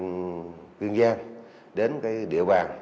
huyên giang đến địa bàn